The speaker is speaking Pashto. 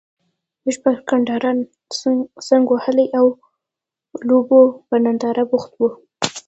موږ پر کټاره څنګ وهلي او لوبو په ننداره بوخت وو.